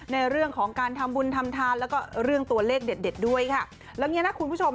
ในเรื่องของการทำบุญทำทานแล้วก็เรื่องตัวเลขเด็ดเด็ดด้วยค่ะแล้วเนี้ยนะคุณผู้ชม